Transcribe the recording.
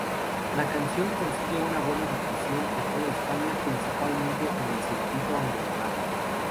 La canción consigue una buena difusión por toda España, principalmente en el circuito underground.